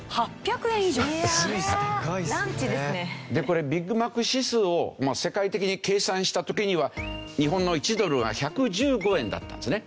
これビッグマック指数を世界的に計算した時には日本の１ドルは１１５円だったんですね。